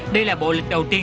đây là bộ lịch đầu tiên